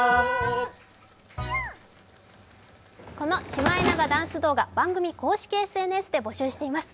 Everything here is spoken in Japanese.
シマエナガダンス動画番組公式ＳＮＳで募集しています。